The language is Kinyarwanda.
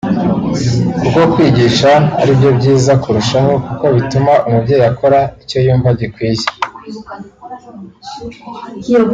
kuko kwigisha ari byo byiza kurushaho kuko bituma umubyeyi akora icyo yumva gikwiye